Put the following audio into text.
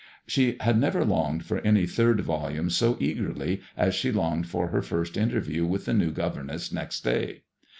She had never longed for any third volume so eagerly as she longed for her first interview with the new governess next day.